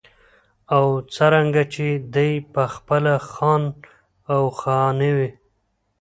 او څرنګه چې دى پخپله خان و او خاني